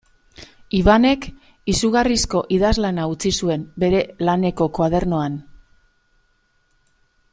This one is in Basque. Ibanek izugarrizko idazlana utzi zuen bere laneko koadernoan.